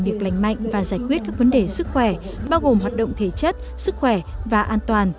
việc lành mạnh và giải quyết các vấn đề sức khỏe bao gồm hoạt động thể chất sức khỏe và an toàn